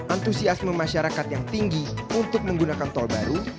antusiasme masyarakat yang tinggi untuk menggunakan tol baru